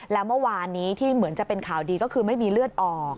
แล้วเมื่อวานนี้ที่เหมือนจะเป็นข่าวดีก็คือไม่มีเลือดออก